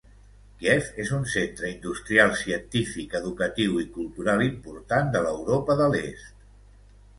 Kíev és un centre industrial, científic, educatiu i cultural important de l'Europa de l'Est.